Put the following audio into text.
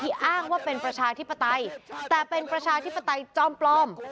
อ้างว่าเป็นประชาธิปไตยแต่เป็นประชาธิปไตยจ้อมปลอม